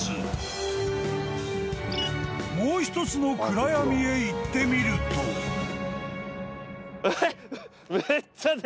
［もう一つの暗闇へ行ってみると］えっ！？